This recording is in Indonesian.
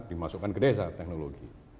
dimasukkan ke desa teknologi